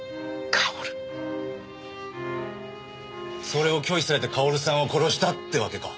それを拒否されて薫さんを殺したってわけか？